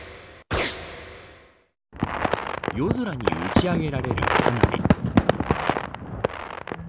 夜空に打ち上げられる花火。